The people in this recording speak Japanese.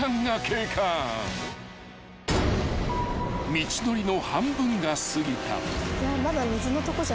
［道のりの半分が過ぎた］